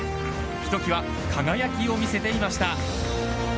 ひときわ輝きを見せていました。